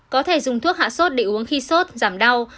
có thể dùng thuốc hạ sốt để uống khi sốt giảm đau